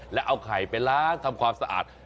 แล้วเอาไข่ไปล้างทำความสะอาด